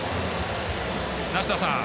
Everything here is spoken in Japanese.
梨田さん